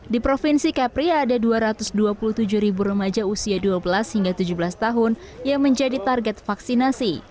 di provinsi kepri ada dua ratus dua puluh tujuh ribu remaja usia dua belas hingga tujuh belas tahun yang menjadi target vaksinasi